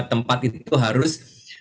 tempat itu harus